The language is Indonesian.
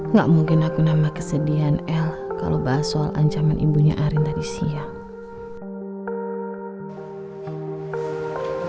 nggak mungkin aku nambah kesedihan el kalau bahas soal ancaman ibunya arin tadi siang